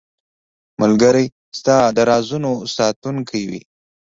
ملګری ستا د رازونو ساتونکی وي.